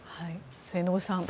末延さん。